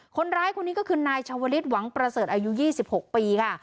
คนร้ายคนนี้ก็คือนายชาวลิศหวังประเสริฐอายุ๒๖ปีค่ะ